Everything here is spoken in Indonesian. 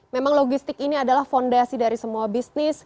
memang logistik ini adalah fondasi dari semua bisnis